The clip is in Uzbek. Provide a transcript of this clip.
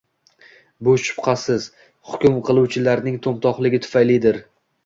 Bu shubhasiz, hukm qiluvchilarning to’mtoqligi tufaylidir.